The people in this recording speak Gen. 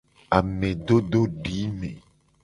Amedododime.